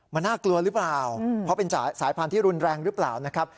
มันน่ากลัวหรือเปล่าเพราะเป็นสายพันธุ์ที่รุนแรงหรือเปล่านะครับ